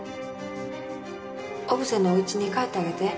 小布施のおうちに帰ってあげて。